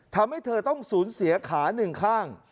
ทำให้เธอต้องสูญเสียขาหนึ่งข้าง